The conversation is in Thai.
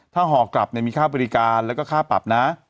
ถ้าห่อกลับมีค่าบริการแล้วก็ค่าปรับนะ